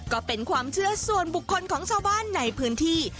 ก็เป็นความเชื่อส่วนบุคคลของชาวบ้านในพื้นที่